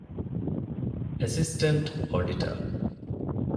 އެސިސްޓެންްޓް އޮޑިޓަރ